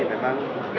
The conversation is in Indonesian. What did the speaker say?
yang tertangkap dan